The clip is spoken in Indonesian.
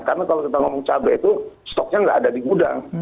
karena kalau kita ngomong cabai itu stoknya nggak ada di gudang